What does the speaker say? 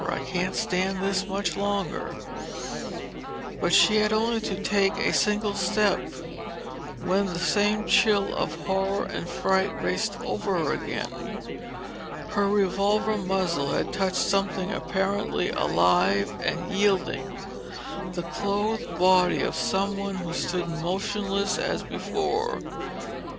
I can't stand this much longer!" But she had only taken a single step when the same chill of horror and fright raced over her again. Her revolver muzzle had touched something apparently alive and yielding, the clothed body of someone who stood motionless as before.